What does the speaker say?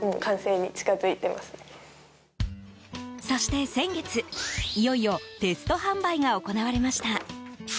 そして先月、いよいよテスト販売が行われました。